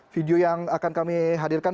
video yang akan kami hadirkan